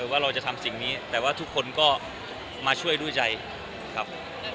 ว่าเราจะทำสิ่งนี้แต่ว่าทุกคนก็มาช่วยด้วยใจครับ